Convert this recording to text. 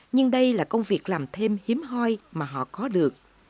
nhưng đây là công việc làm thêm hiếm hoi mà họ có được